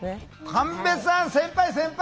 神戸さん先輩先輩